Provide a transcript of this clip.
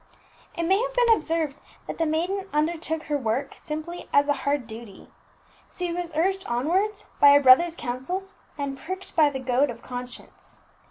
It may have been observed that the maiden undertook her work simply as a hard duty. She was urged onwards by a brother's counsels, and pricked by the goad of conscience.